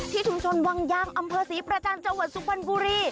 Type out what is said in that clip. ชุมชนวังยางอำเภอศรีประจันทร์จังหวัดสุพรรณบุรี